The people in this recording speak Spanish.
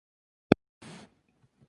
Half-mente es el más tonto del grupo.